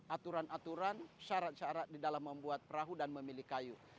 aturan aturan syarat syarat di dalam membuat perahu dan memilih kayu